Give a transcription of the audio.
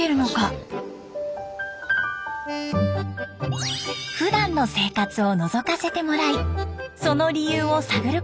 ふだんの生活をのぞかせてもらいその理由を探ることにしました。